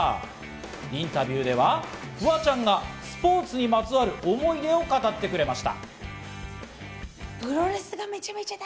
インタビューではフワちゃんがスポーツにまつわる思い出を語ってくれました。